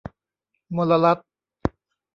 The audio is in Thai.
มลรัฐ